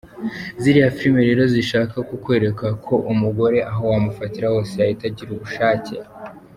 Ziriya filimi rero zishaka kukwereka ko umugore aho wamufatira hose yahita agira ubushake.